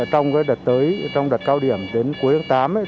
trong đợt tới trong đợt cao điểm đến cuối tháng tám